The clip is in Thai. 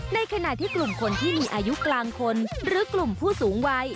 ในขณะที่กลุ่มคนที่มีอายุกลางคนหรือกลุ่มผู้สูงวัย